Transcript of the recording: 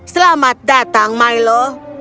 selamat datang milo